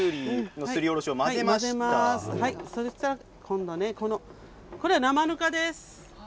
そうしたら今度は生ぬかです。